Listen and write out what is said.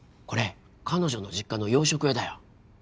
これ彼女の実家の洋食屋だよ。